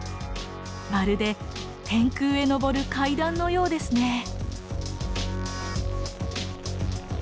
まるで天空へ昇る階段のようですね。